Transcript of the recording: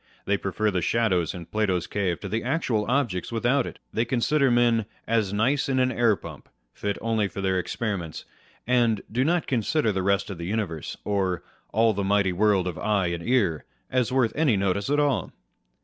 They prefer the shadows in Plato's cave to the actual objects without it. They consider men " as nice in an air pump," fit only for their experiments ; and do not consider the rest of the universe, or " all the mighty world of eye and ear," as worth any notice at all.